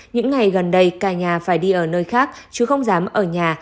những ngày gần đây cả nhà phải đi ở nơi khác chứ không dám ở nhà